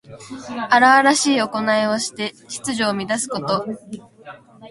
荒々しいおこないをして秩序を乱すこと。